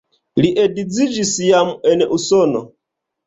Li edziĝis jam en Usono.